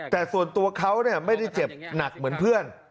แต่ส่วนตัวเขาไม่ได้เจ็บหนักเหมือนเพื่อน